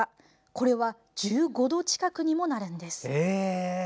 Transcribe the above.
これは１５度近くにもなります。